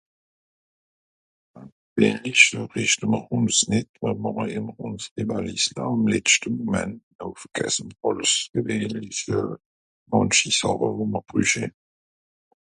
... no rìchtemm'r ùns nìt wann mr ìmmer ùns ... valise àm letschte moment ... mànchi sàche wo mr brüsche